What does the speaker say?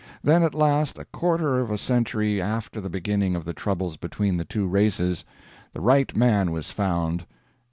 Then, at last, a quarter of a century after the beginning of the troubles between the two races, the right man was found.